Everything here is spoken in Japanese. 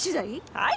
はい。